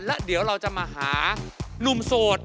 และเดี๋ยวเราจะมาหานุ่มโสด